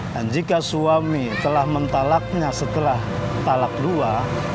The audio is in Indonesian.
dan jika suami telah mentalaknya setelah talak dua